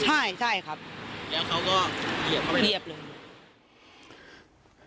ใช่ใช่ครับแล้วเขาก็เหยียบเข้าไปเรียบเลย